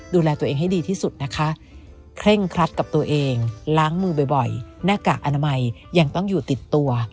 ดูแลตัวเองให้ดีที่สุดนะคะเคร่งครัดกับตัวเองล้างมือบ่อยหน้ากากอนามัยยังต้องอยู่ติดตัว